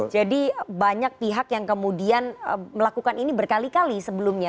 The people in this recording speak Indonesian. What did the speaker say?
jadi banyak pihak yang kemudian melakukan ini berkali kali sebelumnya